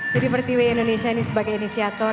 jadi pertiwi indonesia ini sebagai inisiator